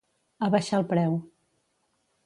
Abaixar el preu.